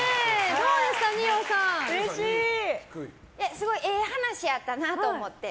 すごいええ話やったなと思って。